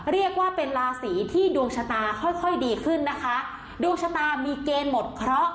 เรียกว่าเป็นราศีที่ดวงชะตาค่อยค่อยดีขึ้นนะคะดวงชะตามีเกณฑ์หมดเคราะห์